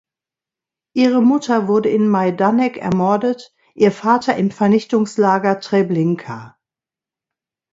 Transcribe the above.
Ihre Mutter wurde in Majdanek ermordet, ihr Vater im Vernichtungslager Treblinka.